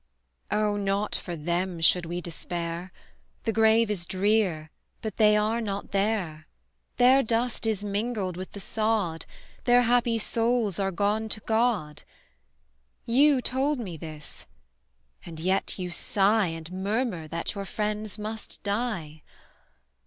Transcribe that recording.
"Oh! not for them, should we despair, The grave is drear, but they are not there; Their dust is mingled with the sod, Their happy souls are gone to God! You told me this, and yet you sigh, And murmur that your friends must die.